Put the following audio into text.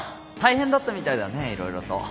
大変だったみたいだねいろいろと。